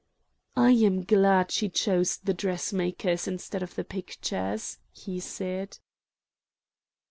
"I am glad she chose the dressmakers instead of the pictures," he said.